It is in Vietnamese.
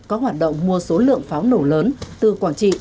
có hoạt động mua số lượng pháo nổ lớn từ quảng trị